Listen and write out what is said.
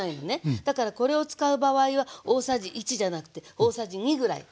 だからこれを使う場合は大さじ１じゃなくて大さじ２ぐらい使って下さい。